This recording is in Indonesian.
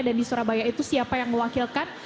dan di surabaya itu siapa yang mewakilkan